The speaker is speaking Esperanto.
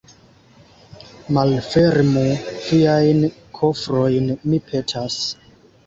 Malfermu viajn kofrojn, mi petas.